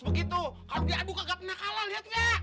begitu habis habis nggak pernah kalah lihat lihat